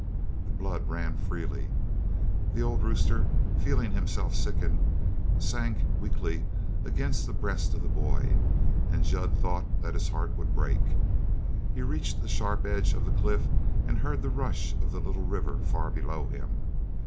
The blood ran freely. The old rooster, feeling himself sicken, sank weakly against the breast of the boy, and Jud thought that his heart would break. He reached the sharp edge of the cliff and heard the rush of the little river far below him.